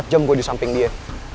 dua puluh empat jam gue disamping dia